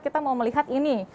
kita mau melihat ini